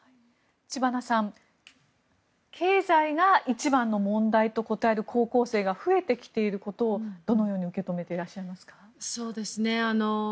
知花さん経済が一番の問題と答える高校生が増えてきていることをどのように受け止めていらっしゃいますか？